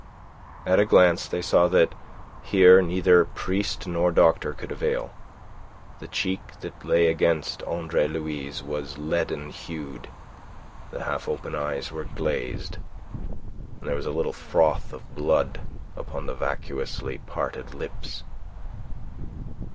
At a glance they saw that here neither priest nor doctor could avail. The cheek that lay against Andre Louis's was leaden hued, the half open eyes were glazed, and there was a little froth of blood upon the vacuously parted lips.